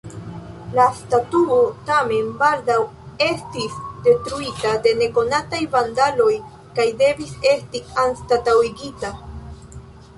La statuo tamen baldaŭ estis detruita de nekonataj vandaloj kaj devis esti anstataŭigita.